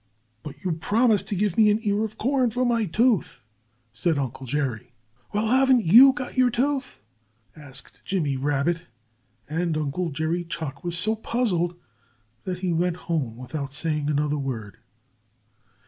"But you promised to give me an ear of corn for my tooth!" said Uncle Jerry. "Well, haven't you got your tooth?" asked Jimmy Rabbit. And Uncle Jerry Chuck was so puzzled that he went home without saying another word.